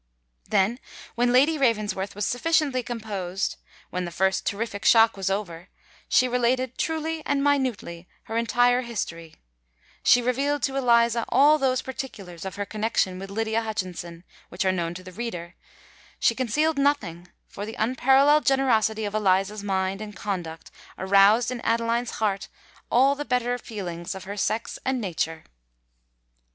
Then, when Lady Ravensworth was sufficiently composed—when the first terrific shock was over,—she related, truly and minutely, her entire history: she revealed to Eliza all those particulars of her connexion with Lydia Hutchinson, which are known to the reader; she concealed nothing—for the unparalleled generosity of Eliza's mind and conduct aroused in Adeline's heart all the better feelings of her sex and nature.